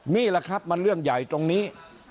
นี่แหละครับมันเรื่องใหญ่ตรงนี้